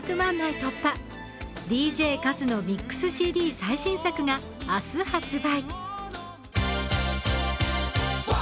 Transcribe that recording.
突破ＤＪ和のミックスＣＤ最新作が明日発売。